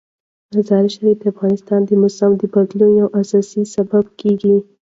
مزارشریف د افغانستان د موسم د بدلون یو اساسي سبب کېږي.